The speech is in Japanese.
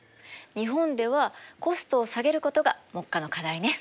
日本ではコストを下げることが目下の課題ね。